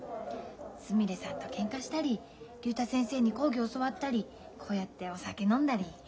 すみれさんとけんかしたり竜太先生に講義教わったりこうやってお酒飲んだり。